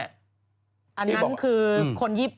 อันนั้นคือสาว๒๕เป็นคนโพสต์